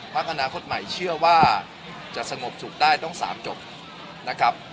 อนาคตใหม่เชื่อว่าจะสงบสุขได้ต้อง๓จบนะครับ